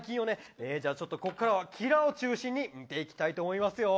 じゃあここからはキラを中心に見ていきたいと思いますよ。